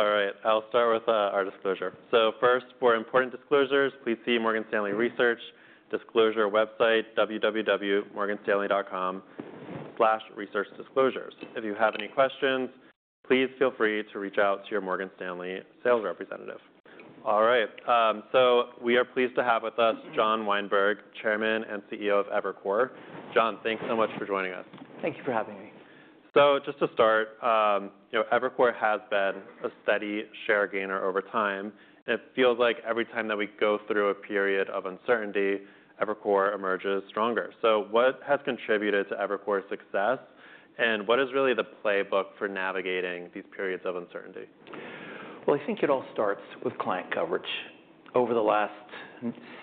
All right. I'll start with our disclosure. First, for important disclosures, please see the Morgan Stanley Research Disclosure website, www.morganstanley.com/researchdisclosures. If you have any questions, please feel free to reach out to your Morgan Stanley sales representative. All right. We are pleased to have with us John Weinberg, Chairman and CEO of Evercore. John, thanks so much for joining us. Thank you for having me. Just to start, Evercore has been a steady share gainer over time. It feels like every time that we go through a period of uncertainty, Evercore emerges stronger. What has contributed to Evercore's success, and what is really the playbook for navigating these periods of uncertainty? I think it all starts with client coverage. Over the last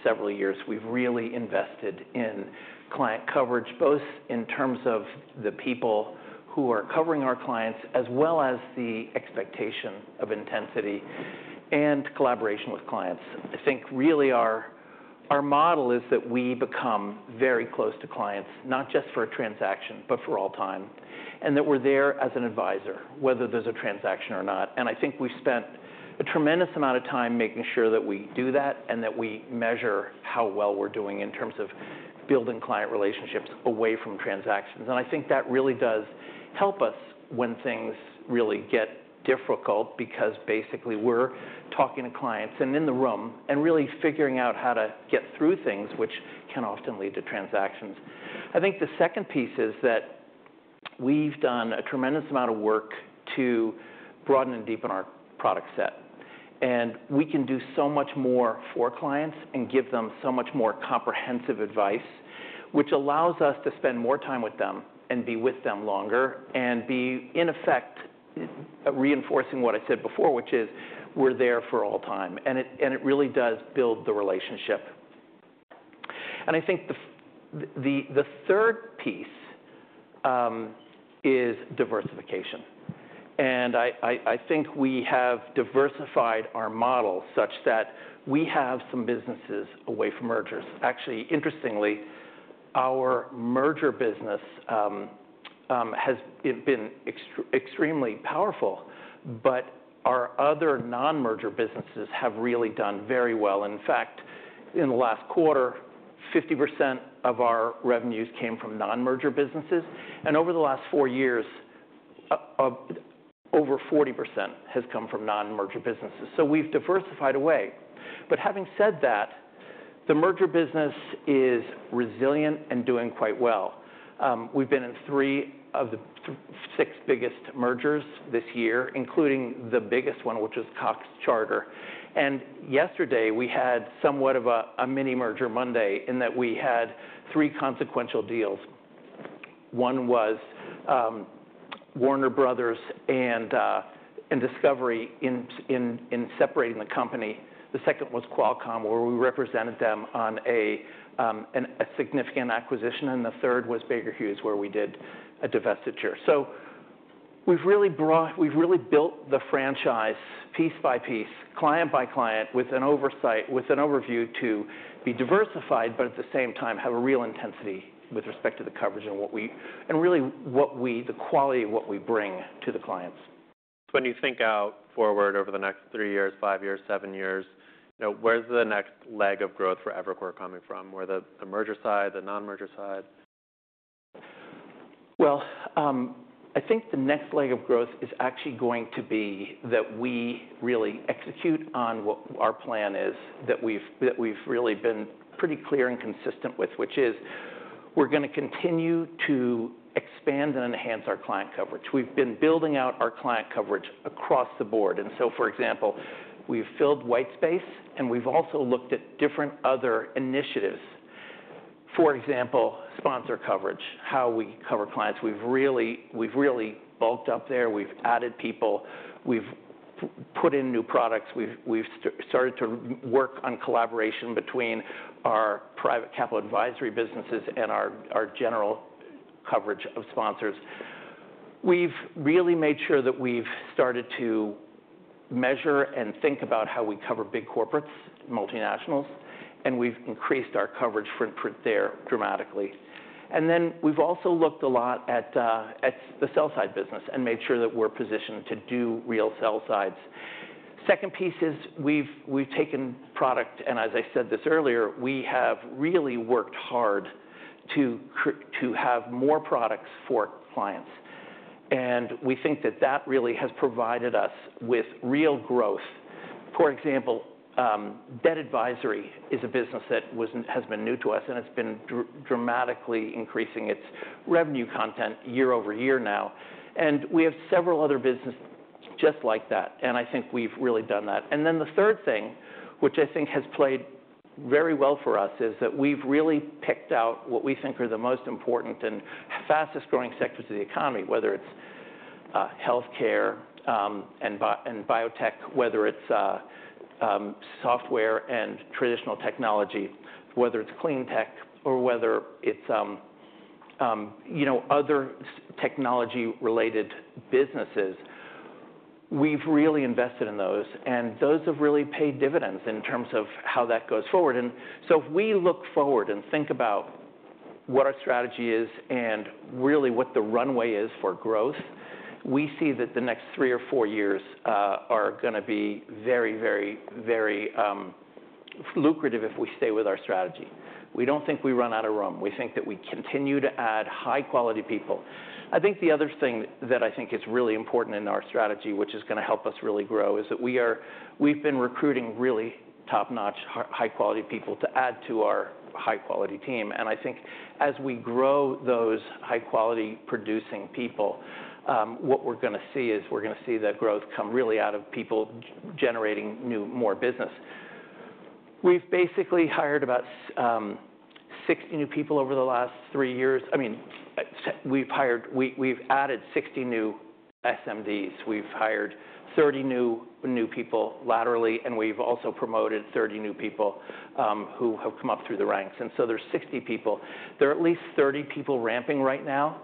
several years, we've really invested in client coverage, both in terms of the people who are covering our clients, as well as the expectation of intensity and collaboration with clients. I think really our model is that we become very close to clients, not just for a transaction, but for all time, and that we're there as an advisor, whether there's a transaction or not. I think we've spent a tremendous amount of time making sure that we do that and that we measure how well we're doing in terms of building client relationships away from transactions. I think that really does help us when things really get difficult because basically we're talking to clients and in the room and really figuring out how to get through things, which can often lead to transactions. I think the second piece is that we've done a tremendous amount of work to broaden and deepen our product set. We can do so much more for clients and give them so much more comprehensive advice, which allows us to spend more time with them and be with them longer and be, in effect, reinforcing what I said before, which is we're there for all time. It really does build the relationship. I think the third piece is diversification. I think we have diversified our model such that we have some businesses away from mergers. Actually, interestingly, our merger business has been extremely powerful, but our other non-merger businesses have really done very well. In fact, in the last quarter, 50% of our revenues came from non-merger businesses. Over the last four years, over 40% has come from non-merger businesses. We have diversified away. Having said that, the merger business is resilient and doing quite well. We've been in three of the six biggest mergers this year, including the biggest one, which was Cox-Charter. Yesterday, we had somewhat of a mini merger Monday in that we had three consequential deals. One was Warner Brothers Discovery in separating the company. The second was Qualcomm, where we represented them on a significant acquisition. The third was Baker Hughes, where we did a divestiture. We've really built the franchise piece by piece, client by client, with an overview to be diversified, but at the same time have a real intensity with respect to the coverage and really the quality of what we bring to the clients. When you think out forward over the next three years, five years, seven years, where's the next leg of growth for Evercore coming from? More the merger side, the non-merger side? I think the next leg of growth is actually going to be that we really execute on what our plan is that we've really been pretty clear and consistent with, which is we're going to continue to expand and enhance our client coverage. We've been building out our client coverage across the board. For example, we've filled white space, and we've also looked at different other initiatives. For example, sponsor coverage, how we cover clients. We've really bulked up there. We've added people. We've put in new products. We've started to work on collaboration between our private capital advisory businesses and our general coverage of sponsors. We've really made sure that we've started to measure and think about how we cover big corporates, multinationals, and we've increased our coverage footprint there dramatically. We have also looked a lot at the sell-side business and made sure that we are positioned to do real sell-sides. The second piece is we have taken product, and as I said this earlier, we have really worked hard to have more products for clients. We think that has really provided us with real growth. For example, debt advisory is a business that has been new to us, and it has been dramatically increasing its revenue content year over year now. We have several other businesses just like that. I think we have really done that. The third thing, which I think has played very well for us, is that we have really picked out what we think are the most important and fastest growing sectors of the economy, whether it is healthcare and biotech, whether it is software and traditional technology, whether it is cleantech, or whether it is other technology-related businesses. We have really invested in those, and those have really paid dividends in terms of how that goes forward. If we look forward and think about what our strategy is and really what the runway is for growth, we see that the next three or four years are going to be very, very, very lucrative if we stay with our strategy. We do not think we run out of room. We think that we continue to add high-quality people. I think the other thing that I think is really important in our strategy, which is going to help us really grow, is that we've been recruiting really top-notch, high-quality people to add to our high-quality team. I think as we grow those high-quality producing people, what we're going to see is we're going to see that growth come really out of people generating more business. We've basically hired about 60 new people over the last three years. I mean, we've added 60 new SMDs. We've hired 30 new people laterally, and we've also promoted 30 new people who have come up through the ranks. There are 60 people. There are at least 30 people ramping right now.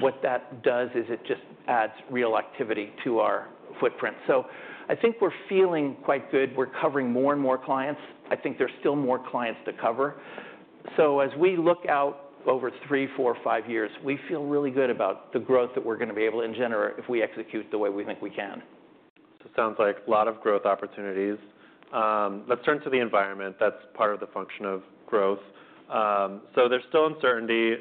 What that does is it just adds real activity to our footprint. I think we're feeling quite good. We're covering more and more clients. I think there's still more clients to cover. As we look out over three, four, five years, we feel really good about the growth that we're going to be able to engender if we execute the way we think we can. It sounds like a lot of growth opportunities. Let's turn to the environment. That's part of the function of growth. There's still uncertainty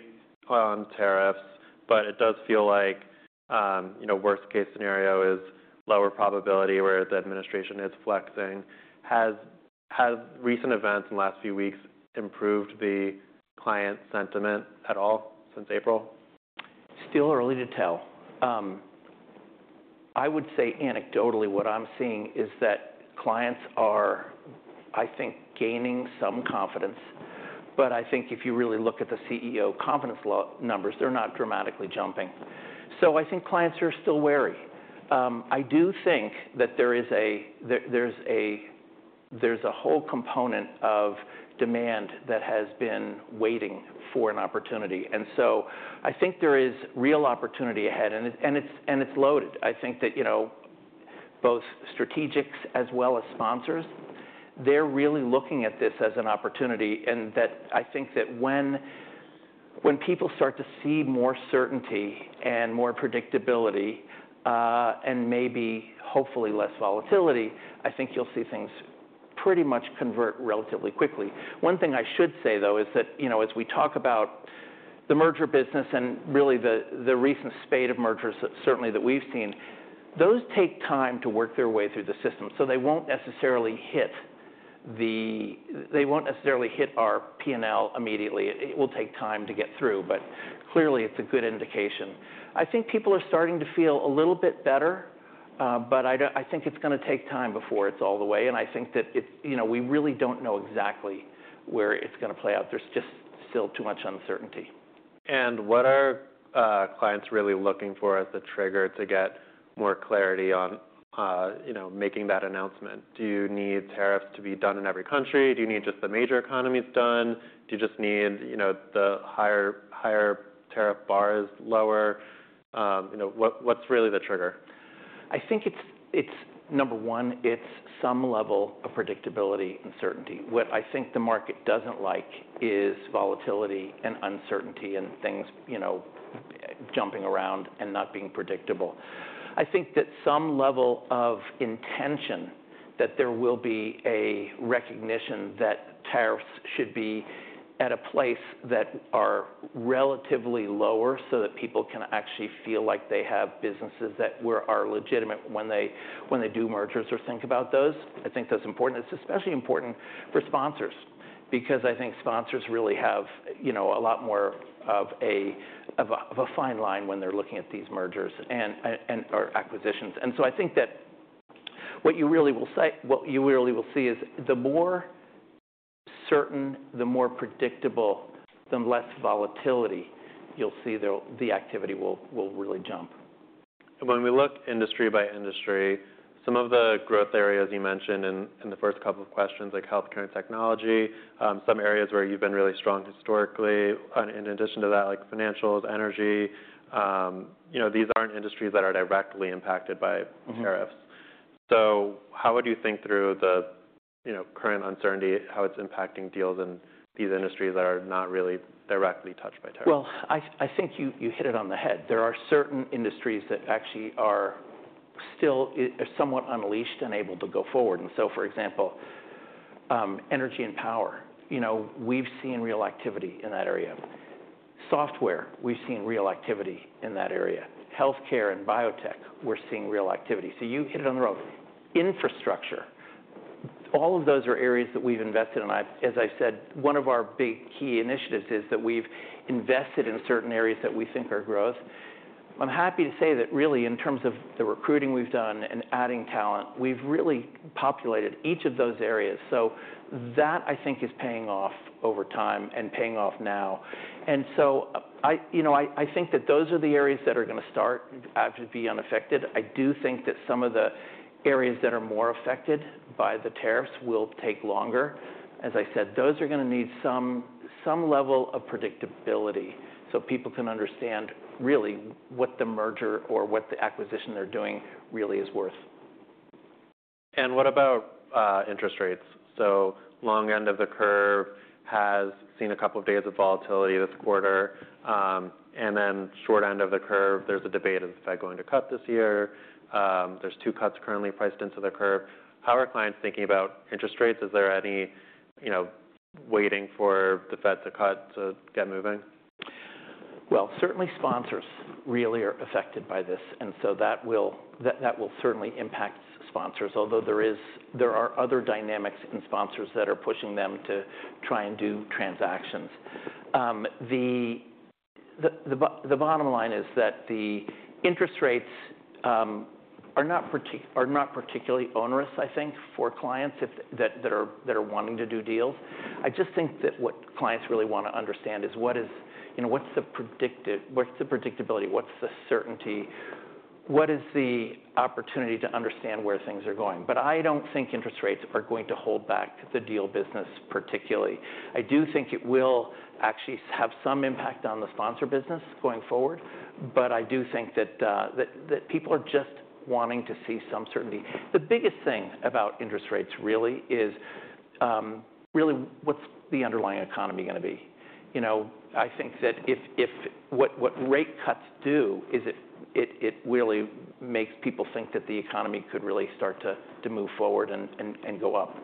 on tariffs, but it does feel like worst-case scenario is lower probability where the administration is flexing. Have recent events in the last few weeks improved the client sentiment at all since April? Still early to tell. I would say anecdotally what I'm seeing is that clients are, I think, gaining some confidence. But I think if you really look at the CEO confidence numbers, they're not dramatically jumping. So I think clients are still wary. I do think that there's a whole component of demand that has been waiting for an opportunity. And so I think there is real opportunity ahead, and it's loaded. I think that both strategics as well as sponsors, they're really looking at this as an opportunity. And I think that when people start to see more certainty and more predictability and maybe hopefully less volatility, I think you'll see things pretty much convert relatively quickly. One thing I should say, though, is that as we talk about the merger business and really the recent spate of mergers, certainly that we've seen, those take time to work their way through the system. They will not necessarily hit our P&L immediately. It will take time to get through, but clearly it is a good indication. I think people are starting to feel a little bit better, but I think it is going to take time before it is all the way. I think that we really do not know exactly where it is going to play out. There is just still too much uncertainty. What are clients really looking for as the trigger to get more clarity on making that announcement? Do you need tariffs to be done in every country? Do you need just the major economies done? Do you just need the higher tariff bar is lower? What's really the trigger? I think it's, number one, it's some level of predictability and certainty. What I think the market doesn't like is volatility and uncertainty and things jumping around and not being predictable. I think that some level of intention that there will be a recognition that tariffs should be at a place that are relatively lower so that people can actually feel like they have businesses that are legitimate when they do mergers or think about those. I think that's important. It's especially important for sponsors because I think sponsors really have a lot more of a fine line when they're looking at these mergers and acquisitions. I think that what you really will see is the more certain, the more predictable, the less volatility you'll see the activity will really jump. When we look industry by industry, some of the growth areas you mentioned in the first couple of questions, like healthcare and technology, some areas where you've been really strong historically, in addition to that, like financials, energy, these aren't industries that are directly impacted by tariffs. How would you think through the current uncertainty, how it's impacting deals in these industries that are not really directly touched by tariffs? I think you hit it on the head. There are certain industries that actually are still somewhat unleashed and able to go forward. For example, energy and power, we've seen real activity in that area. Software, we've seen real activity in that area. Healthcare and biotech, we're seeing real activity. You hit it on the road. Infrastructure, all of those are areas that we've invested in. As I said, one of our big key initiatives is that we've invested in certain areas that we think are growth. I'm happy to say that really in terms of the recruiting we've done and adding talent, we've really populated each of those areas. That, I think, is paying off over time and paying off now. I think that those are the areas that are going to start to be unaffected. I do think that some of the areas that are more affected by the tariffs will take longer. As I said, those are going to need some level of predictability so people can understand really what the merger or what the acquisition they're doing really is worth. What about interest rates? The long end of the curve has seen a couple of days of volatility this quarter. The short end of the curve, there's a debate of the Fed going to cut this year. There are two cuts currently priced into the curve. How are clients thinking about interest rates? Is there any waiting for the Fed to cut to get moving? Sponsors really are affected by this. That will certainly impact sponsors, although there are other dynamics in sponsors that are pushing them to try and do transactions. The bottom line is that the interest rates are not particularly onerous, I think, for clients that are wanting to do deals. I just think that what clients really want to understand is what's the predictability, what's the certainty, what is the opportunity to understand where things are going. I do not think interest rates are going to hold back the deal business particularly. I do think it will actually have some impact on the sponsor business going forward, but I do think that people are just wanting to see some certainty. The biggest thing about interest rates really is what's the underlying economy going to be. I think that what rate cuts do is it really makes people think that the economy could really start to move forward and go up.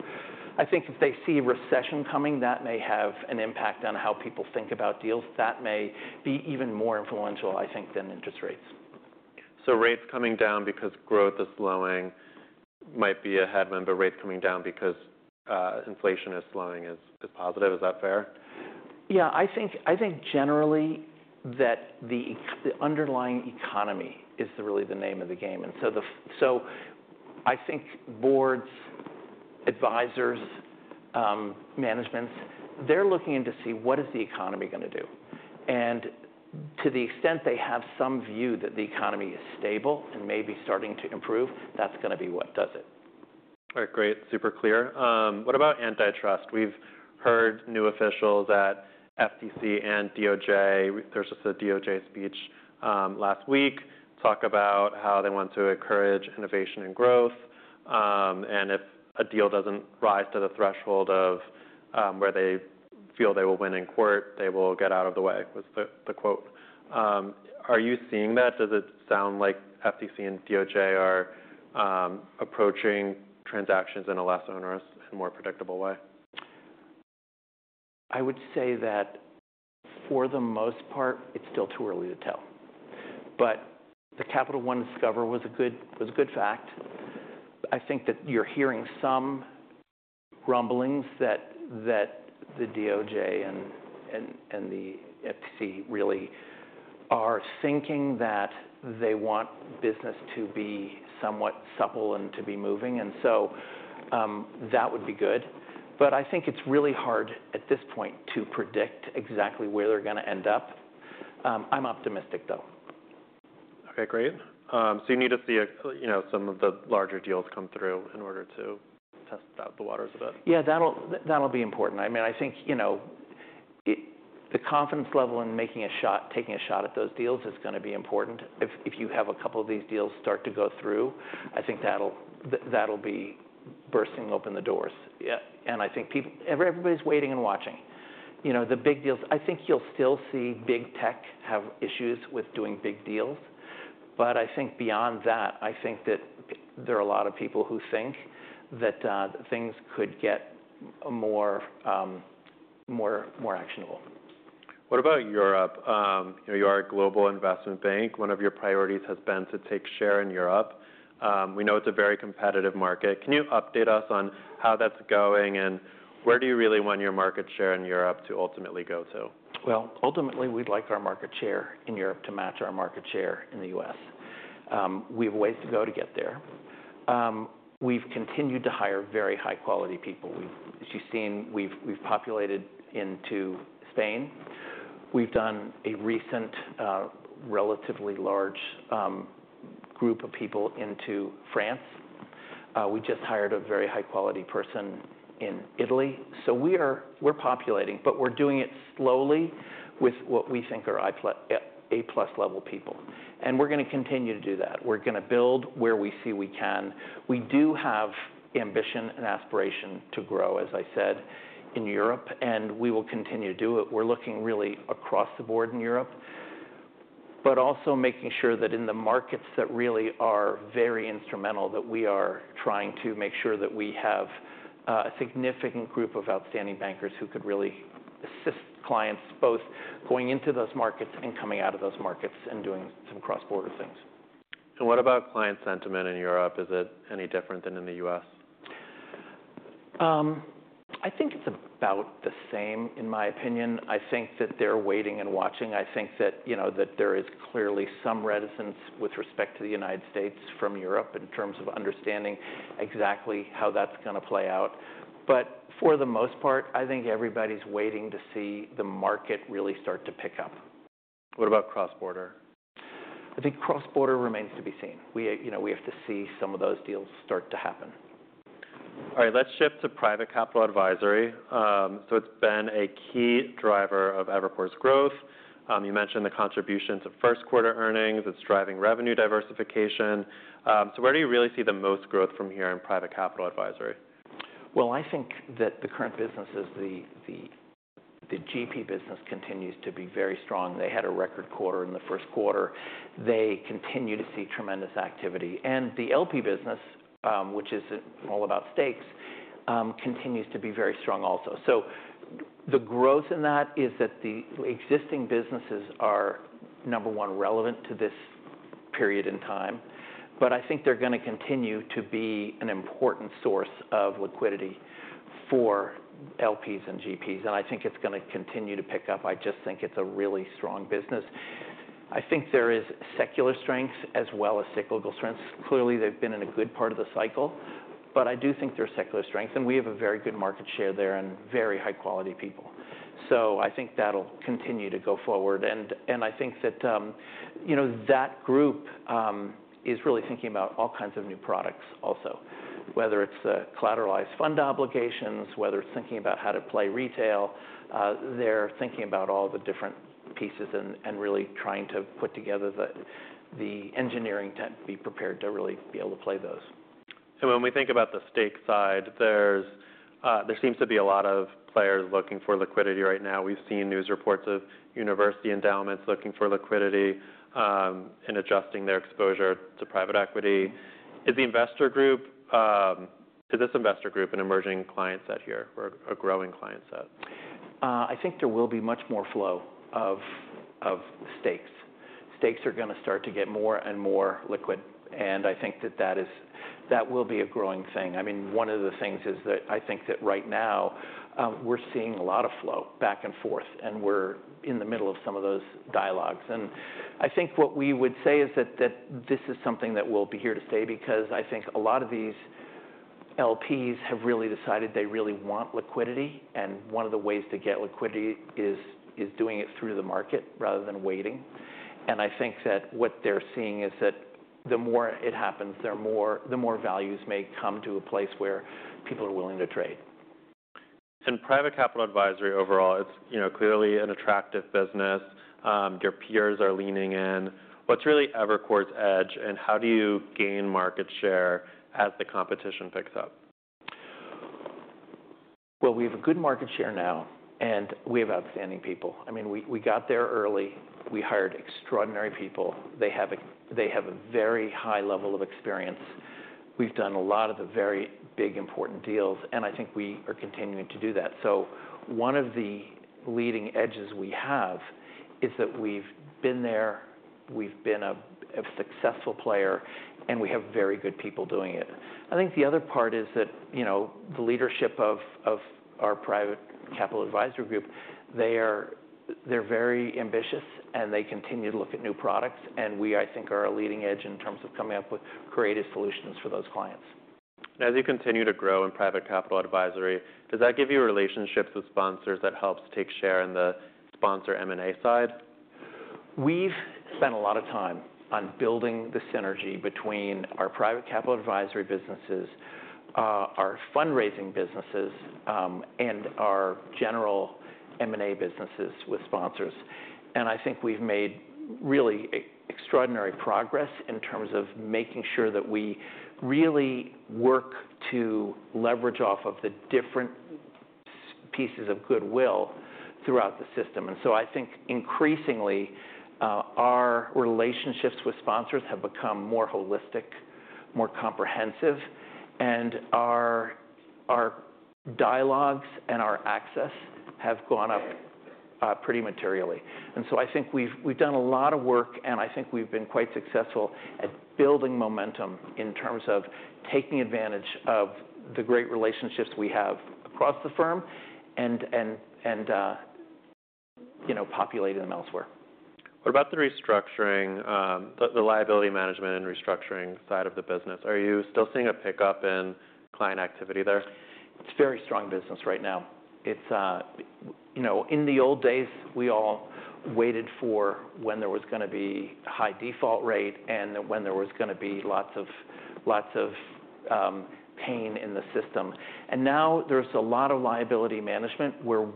I think if they see a recession coming, that may have an impact on how people think about deals. That may be even more influential, I think, than interest rates. Rates coming down because growth is slowing might be a headwind, but rates coming down because inflation is slowing is positive. Is that fair? Yeah. I think generally that the underlying economy is really the name of the game. I think boards, advisors, managements, they're looking to see what is the economy going to do. To the extent they have some view that the economy is stable and maybe starting to improve, that's going to be what does it. All right. Great. Super clear. What about antitrust? We've heard new officials at FTC and DOJ, there was just a DOJ speech last week, talk about how they want to encourage innovation and growth. If a deal does not rise to the threshold of where they feel they will win in court, they will get out of the way, was the quote. Are you seeing that? Does it sound like FTC and DOJ are approaching transactions in a less onerous and more predictable way? I would say that for the most part, it's still too early to tell. But the Capital One Discover was a good fact. I think that you're hearing some rumblings that the DOJ and the FTC really are thinking that they want business to be somewhat supple and to be moving. And so that would be good. But I think it's really hard at this point to predict exactly where they're going to end up. I'm optimistic, though. Okay. Great. So you need to see some of the larger deals come through in order to test out the waters a bit. Yeah. That'll be important. I mean, I think the confidence level in making a shot, taking a shot at those deals is going to be important. If you have a couple of these deals start to go through, I think that'll be bursting open the doors. I think everybody's waiting and watching. The big deals, I think you'll still see big tech have issues with doing big deals. I think beyond that, I think that there are a lot of people who think that things could get more actionable. What about Europe? You are a global investment bank. One of your priorities has been to take share in Europe. We know it is a very competitive market. Can you update us on how that is going and where do you really want your market share in Europe to ultimately go to? Ultimately, we'd like our market share in Europe to match our market share in the U.S. We have a ways to go to get there. We've continued to hire very high-quality people. As you've seen, we've populated into Spain. We've done a recent relatively large group of people into France. We just hired a very high-quality person in Italy. We are populating, but we are doing it slowly with what we think are A-plus level people. We are going to continue to do that. We are going to build where we see we can. We do have ambition and aspiration to grow, as I said, in Europe, and we will continue to do it. We're looking really across the board in Europe, but also making sure that in the markets that really are very instrumental, that we are trying to make sure that we have a significant group of outstanding bankers who could really assist clients both going into those markets and coming out of those markets and doing some cross-border things. What about client sentiment in Europe? Is it any different than in the U.S.? I think it's about the same, in my opinion. I think that they're waiting and watching. I think that there is clearly some reticence with respect to the U.S. from Europe in terms of understanding exactly how that's going to play out. For the most part, I think everybody's waiting to see the market really start to pick up. What about cross-border? I think cross-border remains to be seen. We have to see some of those deals start to happen. All right. Let's shift to private capital advisory. So it's been a key driver of Evercore's growth. You mentioned the contributions of first quarter earnings. It's driving revenue diversification. So where do you really see the most growth from here in private capital advisory? I think that the current business is the GP business continues to be very strong. They had a record quarter in the first quarter. They continue to see tremendous activity. The LP business, which is all about stakes, continues to be very strong also. The growth in that is that the existing businesses are, number one, relevant to this period in time. I think they're going to continue to be an important source of liquidity for LPs and GPs. I think it's going to continue to pick up. I just think it's a really strong business. I think there is secular strength as well as cyclical strengths. Clearly, they've been in a good part of the cycle, but I do think there's secular strength. We have a very good market share there and very high-quality people. I think that'll continue to go forward. I think that that group is really thinking about all kinds of new products also, whether it's collateralized fund obligations, whether it's thinking about how to play retail. They're thinking about all the different pieces and really trying to put together the engineering to be prepared to really be able to play those. When we think about the stake side, there seems to be a lot of players looking for liquidity right now. We've seen news reports of university endowments looking for liquidity and adjusting their exposure to private equity. Is the investor group, is this investor group an emerging client set here or a growing client set? I think there will be much more flow of stakes. Stakes are going to start to get more and more liquid. I think that that will be a growing thing. I mean, one of the things is that I think that right now we're seeing a lot of flow back and forth, and we're in the middle of some of those dialogues. I think what we would say is that this is something that will be here to stay because I think a lot of these LPs have really decided they really want liquidity. One of the ways to get liquidity is doing it through the market rather than waiting. I think that what they're seeing is that the more it happens, the more values may come to a place where people are willing to trade. Private capital advisory overall, it's clearly an attractive business. Your peers are leaning in. What's really Evercore's edge, and how do you gain market share as the competition picks up? We have a good market share now, and we have outstanding people. I mean, we got there early. We hired extraordinary people. They have a very high level of experience. We've done a lot of the very big important deals, and I think we are continuing to do that. One of the leading edges we have is that we've been there. We've been a successful player, and we have very good people doing it. I think the other part is that the leadership of our private capital advisory group, they're very ambitious, and they continue to look at new products. We, I think, are a leading edge in terms of coming up with creative solutions for those clients. As you continue to grow in private capital advisory, does that give you relationships with sponsors that helps take share in the sponsor M&A side? We've spent a lot of time on building the synergy between our private capital advisory businesses, our fundraising businesses, and our general M&A businesses with sponsors. I think we've made really extraordinary progress in terms of making sure that we really work to leverage off of the different pieces of goodwill throughout the system. I think increasingly our relationships with sponsors have become more holistic, more comprehensive, and our dialogues and our access have gone up pretty materially. I think we've done a lot of work, and I think we've been quite successful at building momentum in terms of taking advantage of the great relationships we have across the firm and populating them elsewhere. What about the restructuring, the liability management and restructuring side of the business? Are you still seeing a pickup in client activity there? It's a very strong business right now. In the old days, we all waited for when there was going to be a high default rate and when there was going to be lots of pain in the system. Now there's a lot of liability management where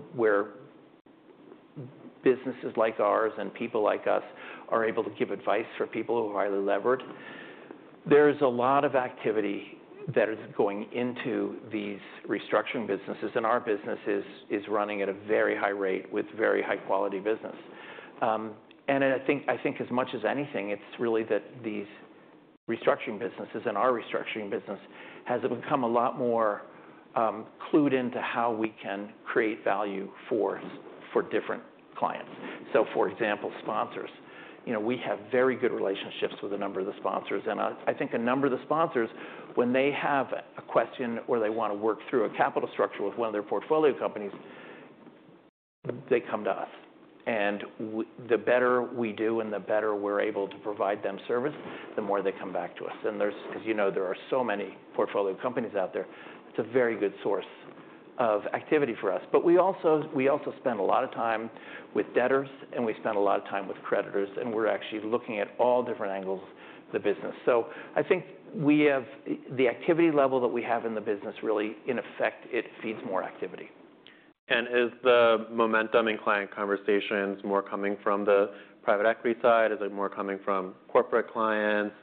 businesses like ours and people like us are able to give advice for people who are highly levered. There's a lot of activity that is going into these restructuring businesses, and our business is running at a very high rate with very high-quality business. I think as much as anything, it's really that these restructuring businesses and our restructuring business has become a lot more clued into how we can create value for different clients. For example, sponsors, we have very good relationships with a number of the sponsors. I think a number of the sponsors, when they have a question or they want to work through a capital structure with one of their portfolio companies, they come to us. The better we do and the better we are able to provide them service, the more they come back to us. As you know, there are so many portfolio companies out there. It is a very good source of activity for us. We also spend a lot of time with debtors, and we spend a lot of time with creditors, and we are actually looking at all different angles of the business. I think the activity level that we have in the business really, in effect, it feeds more activity. Is the momentum in client conversations more coming from the private equity side? Is it more coming from corporate clients,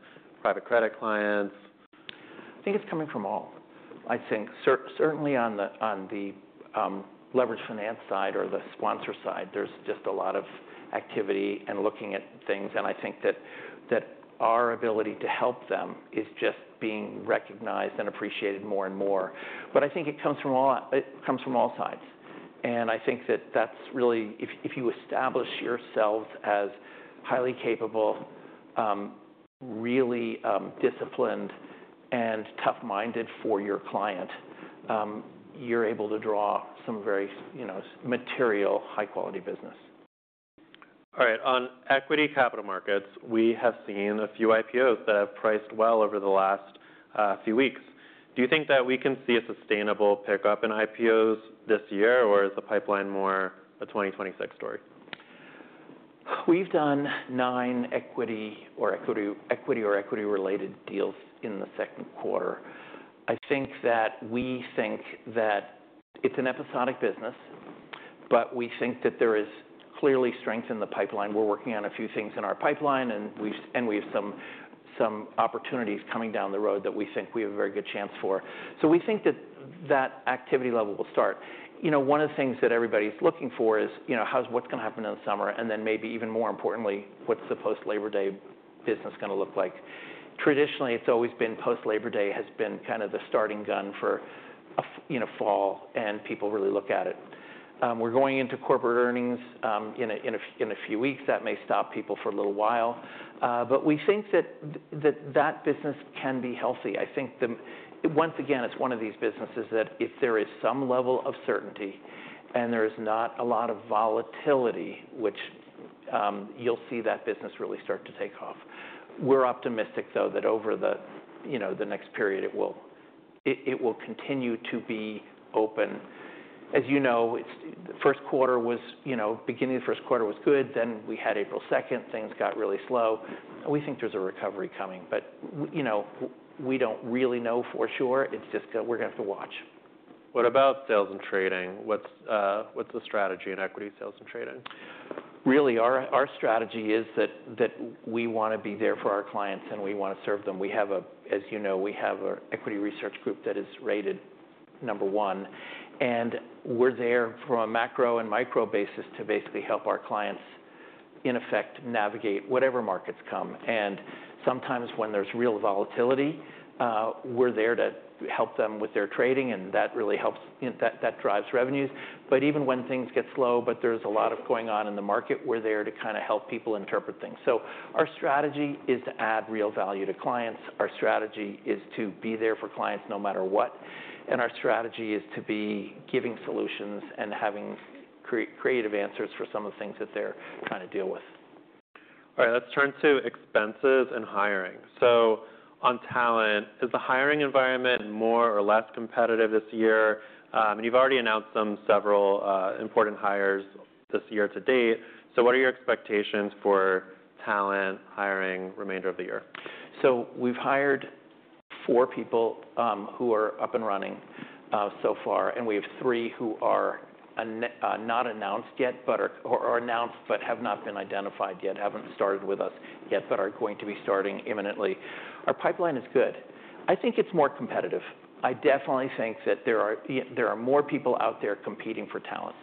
private credit clients? I think it's coming from all. I think certainly on the leverage finance side or the sponsor side, there's just a lot of activity and looking at things. I think that our ability to help them is just being recognized and appreciated more and more. I think it comes from all sides. I think that that's really, if you establish yourselves as highly capable, really disciplined, and tough-minded for your client, you're able to draw some very material, high-quality business. All right. On equity capital markets, we have seen a few IPOs that have priced well over the last few weeks. Do you think that we can see a sustainable pickup in IPOs this year, or is the pipeline more a 2026 story? We've done nine equity or equity-related deals in the second quarter. I think that we think that it's an episodic business, but we think that there is clearly strength in the pipeline. We're working on a few things in our pipeline, and we have some opportunities coming down the road that we think we have a very good chance for. We think that that activity level will start. One of the things that everybody's looking for is what's going to happen in the summer, and then maybe even more importantly, what's the post-Labor Day business going to look like? Traditionally, it's always been post-Labor Day has been kind of the starting gun for fall, and people really look at it. We're going into corporate earnings in a few weeks. That may stop people for a little while. We think that that business can be healthy. I think once again, it's one of these businesses that if there is some level of certainty and there is not a lot of volatility, you will see that business really start to take off. We're optimistic, though, that over the next period, it will continue to be open. As you know, the first quarter was, beginning of the first quarter was good. Then we had April 2nd. Things got really slow. We think there's a recovery coming, but we don't really know for sure. It's just we're going to have to watch. What about sales and trading? What's the strategy in equity sales and trading? Really, our strategy is that we want to be there for our clients, and we want to serve them. As you know, we have an equity research group that is rated number one. We are there from a macro and micro basis to basically help our clients, in effect, navigate whatever markets come. Sometimes when there is real volatility, we are there to help them with their trading, and that really helps. That drives revenues. Even when things get slow, but there is a lot going on in the market, we are there to kind of help people interpret things. Our strategy is to add real value to clients. Our strategy is to be there for clients no matter what. Our strategy is to be giving solutions and having creative answers for some of the things that they are trying to deal with. All right. Let's turn to expenses and hiring. On talent, is the hiring environment more or less competitive this year? You've already announced several important hires this year to date. What are your expectations for talent hiring remainder of the year? We've hired four people who are up and running so far, and we have three who are not announced yet or announced but have not been identified yet, have not started with us yet, but are going to be starting imminently. Our pipeline is good. I think it's more competitive. I definitely think that there are more people out there competing for talent.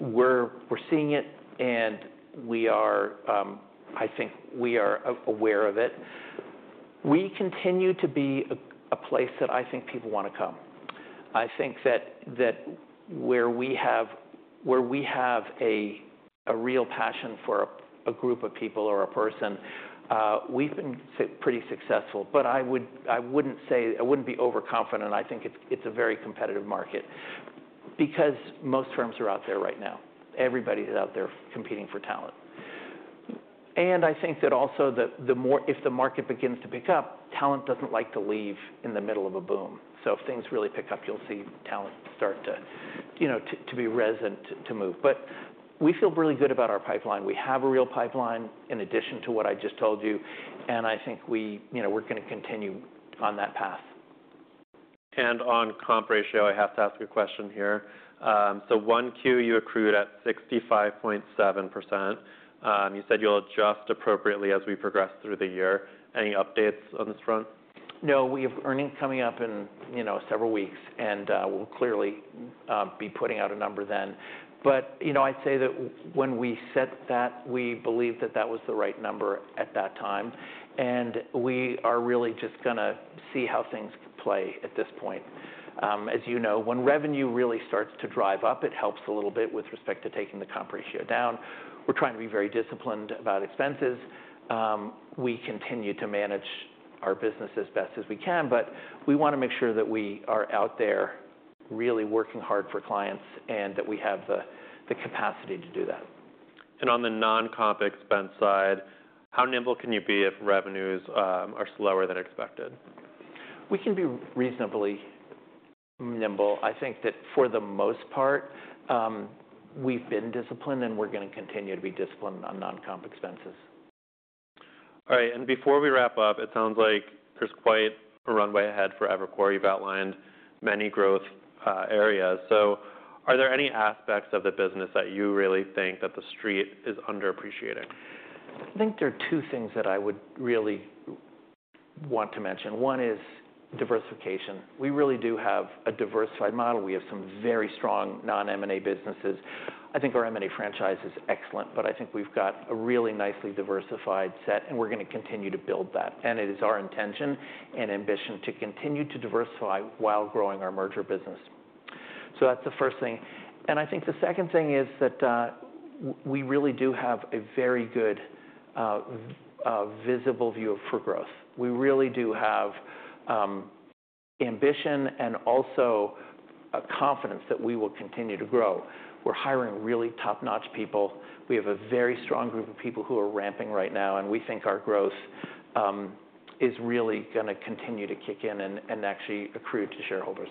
We're seeing it, and I think we are aware of it. We continue to be a place that I think people want to come. I think that where we have a real passion for a group of people or a person, we've been pretty successful. I would not be overconfident. I think it's a very competitive market because most firms are out there right now. Everybody's out there competing for talent. I think that also if the market begins to pick up, talent does not like to leave in the middle of a boom. If things really pick up, you will see talent start to be resident to move. We feel really good about our pipeline. We have a real pipeline in addition to what I just told you, and I think we are going to continue on that path. On comp ratio, I have to ask a question here. For Q1, you accrued at 65.7%. You said you'll adjust appropriately as we progress through the year. Any updates on this front? No, we have earnings coming up in several weeks, and we'll clearly be putting out a number then. I'd say that when we set that, we believed that that was the right number at that time. We are really just going to see how things play at this point. As you know, when revenue really starts to drive up, it helps a little bit with respect to taking the comp ratio down. We're trying to be very disciplined about expenses. We continue to manage our business as best as we can, but we want to make sure that we are out there really working hard for clients and that we have the capacity to do that. On the non-comp expense side, how nimble can you be if revenues are slower than expected? We can be reasonably nimble. I think that for the most part, we've been disciplined, and we're going to continue to be disciplined on non-comp expenses. All right. Before we wrap up, it sounds like there's quite a runway ahead for Evercore. You've outlined many growth areas. Are there any aspects of the business that you really think that the street is underappreciating? I think there are two things that I would really want to mention. One is diversification. We really do have a diversified model. We have some very strong non-M&A businesses. I think our M&A franchise is excellent, but I think we've got a really nicely diversified set, and we're going to continue to build that. It is our intention and ambition to continue to diversify while growing our merger business. That is the first thing. I think the second thing is that we really do have a very good visible view for growth. We really do have ambition and also confidence that we will continue to grow. We're hiring really top-notch people. We have a very strong group of people who are ramping right now, and we think our growth is really going to continue to kick in and actually accrue to shareholders.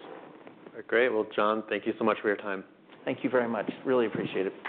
Great. John, thank you so much for your time. Thank you very much. Really appreciate it.